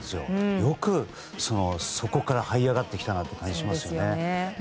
よくそこからはい上がってきたなという気がしますね。